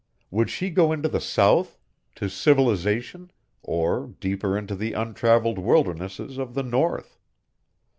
Would she go into the South to civilization or deeper into the untraveled wildernesses of the North?